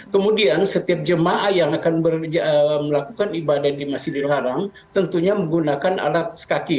kemudian setiap jemaah yang akan melakukan ibadah di masjidil haram tentunya menggunakan alat sekaki